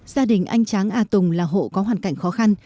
gia đình anh tráng a tùng là hộ có hoàn cảnh khó khăn